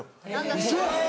ウソ！